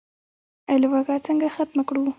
لوږه څنګه ختمه کړو؟